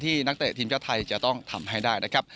นักเตะทีมชาติไทยจะต้องทำให้ได้นะครับ